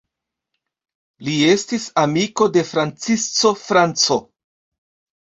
Li estis amiko de Francisco Franco.